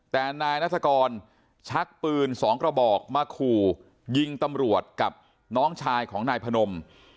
แต่นายนัฐกรชักปืน๒กระบอกมาขู่ยิงตำรวจกับน้องชายของนายพนม